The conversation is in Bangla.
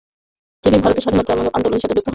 তিনি ভারতের স্বাধীনতা আন্দোলনের সঙ্গে যুক্ত হন।